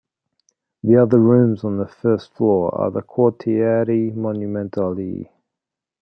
The other rooms on the first floor are the "Quartieri monumentali".